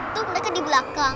itu mereka di belakang